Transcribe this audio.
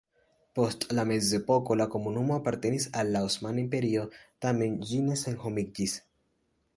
Post la mezepoko la komunumo apartenis al la Osmana Imperio, tamen ĝi ne senhomiĝis.